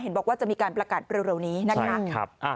บอกว่าจะมีการประกาศเร็วนี้นะคะ